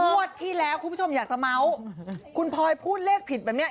งวดที่แล้วคุณผู้ชมอยากจะเมาส์คุณพลอยพูดเลขผิดแบบเนี้ย